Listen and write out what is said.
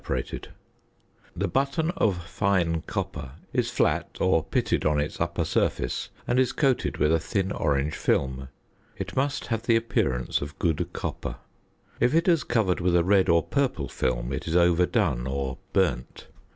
] The button of "fine" copper is flat or pitted on its upper surface, and is coated with a thin orange film; it must have the appearance of good copper. If it is covered with a red or purple film, it is overdone or "burnt."